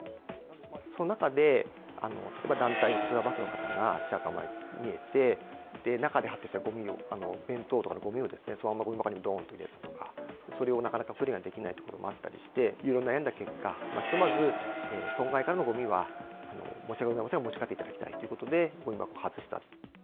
その中で、例えば団体のツアーバスの方が白川村に見えて、中で発生した弁当とかのごみをですね、そのままごみ箱の中にどーんと入れるとか、それをなかなか処理できないこともあったりして、いろいろ悩んだ結果、ひとまず村外からのごみは、申し訳ございません、持ち帰ってくださいということで、ごみ箱を外した。